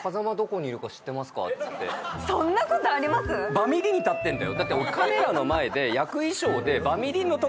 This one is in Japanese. バミリに立ってんだよ。